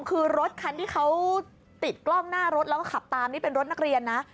คือรถคันที่เขาติดกล้องหน้ารถแล้วก็ขับตามนี่เป็นรถนักเรียนนะ